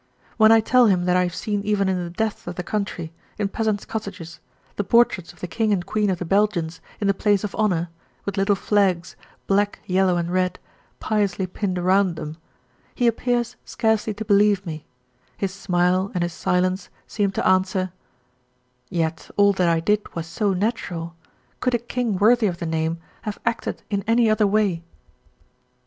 When I tell him that I have seen even in the depths of the country, in peasants' cottages, the portraits of the King and Queen of the Belgians in the place of honour, with little flags, black, yellow and red, piously pinned around them, he appears scarcely to believe me; his smile and his silence seem to answer: "Yet all that I did was so natural. Could a king worthy of the name have acted in any other way?"